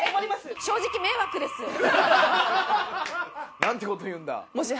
何てこと言うんだ！